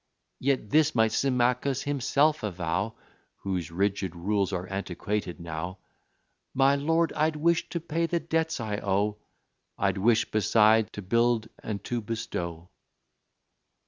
Yet this might Symmachus himself avow, (Whose rigid rules are antiquated now) My lord; I'd wish to pay the debts I owe I'd wish besides to build and to bestow."